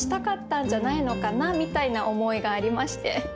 みたいな思いがありまして。